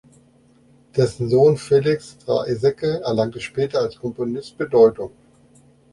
Dessen Sohn Felix Draeseke erlangte später als Komponist Bedeutung.